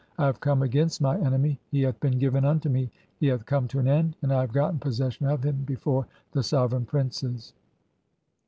I have come "against my Enemy, (14) he hath been given unto me, he hath "come to an end, and I have gotten possession [of him] before "the sovereign princes."